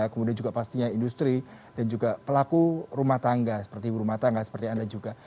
kemudian juga pastinya industri dan juga pelaku rumah tangga seperti ibu rumah tangga seperti anda juga